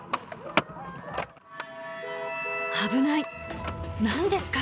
危ない。